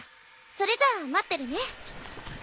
それじゃあ待ってるね。